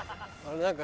何か。